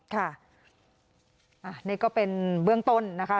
ค่ะนี่ก็เป็นเบื้องต้นนะคะ